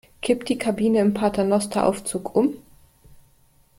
Kippt die Kabine im Paternosteraufzug um?